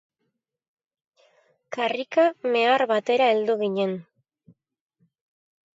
Karrika mehar batera heldu ginen.